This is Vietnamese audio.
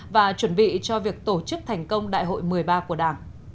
và chuẩn bị cho việc tổ chức thành công đại hội một mươi ba của đảng